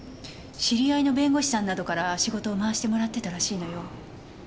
知り合いの弁護士さんなどから仕事を回してもらってたらしいのよ。